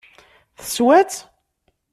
Teswa-tt?